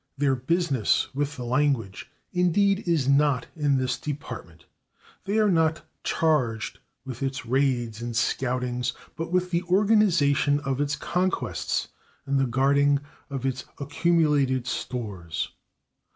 Their business with the language, indeed, is not in this department. They are [Pg163] not charged with its raids and scoutings, but with the organization of its conquests and the guarding of its accumulated stores.